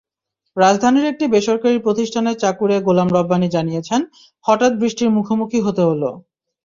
রাজধানীর একটি বেসরকারি প্রতিষ্ঠানের চাকুরে গোলাম রাব্বানী জানিয়েছেন, হঠাৎ বৃষ্টির মুখোমুখি হতে হলো।